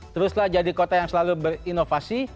teruslah jadi kota yang selalu berinovasi